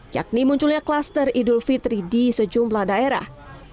yakni munculnya kluster idul fitri di sejumlah daerah